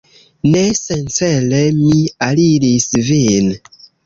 Ne sencele mi aliris vin.